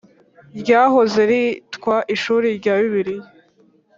Ryahoze ryitwa Ishuri rya Bibiliya